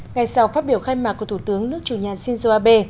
ngày sau phát biểu khai mạc của thủ tướng nước chủ nhà shinzo abe